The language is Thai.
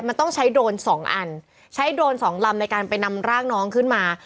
มันต้องใช้โดรนสองอันใช้โดรนสองลำในการไปนำร่างน้องขึ้นมา